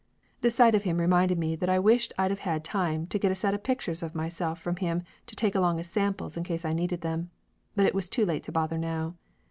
The sight of him reminded me that I wished I'd of had time to get a set of pictures of myself from him to take along as samples in case I needed them. But it was too late to bother now.